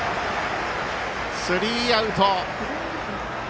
スリーアウト。